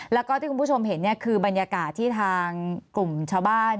แล้วก็ที่คุณผู้ชมเห็นคือบรรยากาศที่ทางกลุ่มชาวบ้าน